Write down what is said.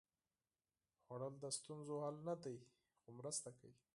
خوړل د ستونزو حل نه دی، خو مرسته کوي